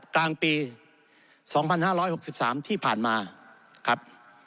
กลางปี๒๕๖๓ที่ผ่านมาครับ